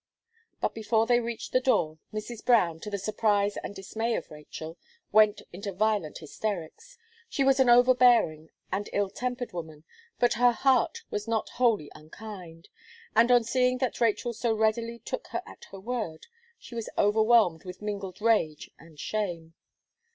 But before they reached the door, Mrs. Brown, to the surprise and dismay of Rachel, went into violent hysterics. She was an over bearing and ill tempered woman, but her heart was not wholly unkind; and on seeing that Rachel so readily took her at her word, she was overwhelmed with mingled rage and shame.